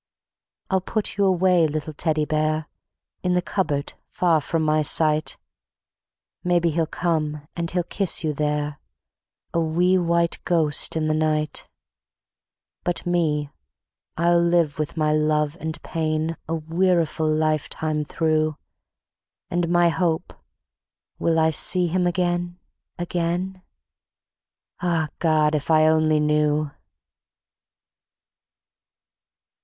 I'll put you away, little Teddy Bear, In the cupboard far from my sight; Maybe he'll come and he'll kiss you there, A wee white ghost in the night. But me, I'll live with my love and pain A weariful lifetime through; And my Hope: will I see him again, again? Ah, God! If I only knew!